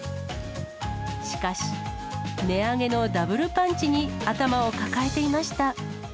しかし、値上げのダブルパンチに頭を抱えていました。